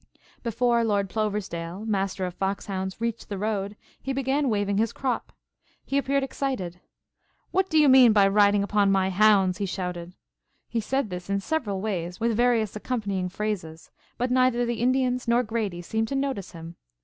Before Lord Ploversdale, Master of Fox hounds, reached the road, he began waving his crop. He appeared excited. "What do you mean by riding upon my hounds?" he shouted. He said this in several ways with various accompanying phrases, but neither the Indians nor Grady seemed to notice him.